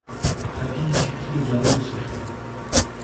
Abby lui supplie de garder le secret.